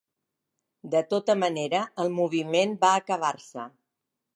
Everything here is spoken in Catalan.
De tota manera, el moviment va acabar-se.